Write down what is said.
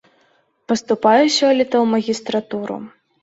Паступаю сёлета ў магістратуру.